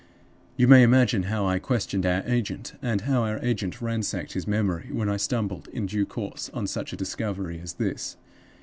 "You may imagine how I questioned our agent, and how our agent ransacked his memory, when I stumbled, in due course, on such a discovery as this.